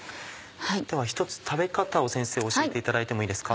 ではひとつ食べ方を先生教えていただいてもいいですか？